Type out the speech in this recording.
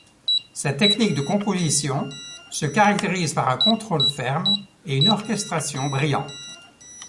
Sa technique de composition se caractérise par un contrôle ferme et une orchestration brillante.